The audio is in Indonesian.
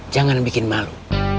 jangan bikin malu